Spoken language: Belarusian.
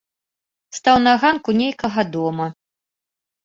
Стаў на ганку нейкага дома.